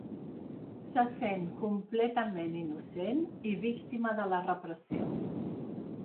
Se sent completament innocent i víctima de la repressió.